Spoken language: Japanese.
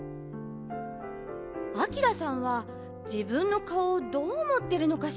アキラさんは自分の顔をどう思ってるのかしら？